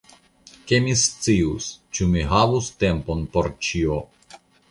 Ke mi scius, ĉu mi havus tempon por ĉio.